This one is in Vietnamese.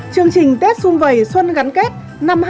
chương trình tết xuân vầy xuân gắn kết năm hai nghìn một mươi năm